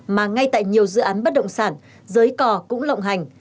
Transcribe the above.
mà ngay tại nhiều dự án bất động sản giới cò cũng lộng hành